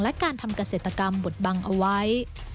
และการทำเกษตรกรรมบทบังเอาไว้